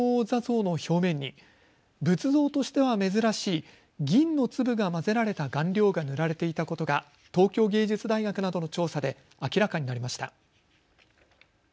坐像の表面に仏像としては珍しい銀の粒が混ぜられた顔料が塗られていたことが東京芸術大学などの調査で明らかになりました。